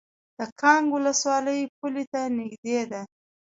د کانګ ولسوالۍ پولې ته نږدې ده